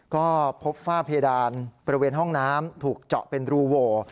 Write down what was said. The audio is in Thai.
ก็พบฝ้าเพดานบริเวณห้องน้ำถูกเจาะเป็นรูโหว